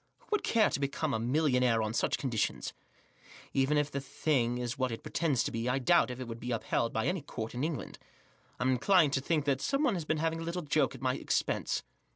Who would care to become even a millionaire on such conditions ? Even if the thing is what it pretends to be, I doubt if it would be upheld by any court in England. I'm inclined to think that someone has been having a little joke at my expense."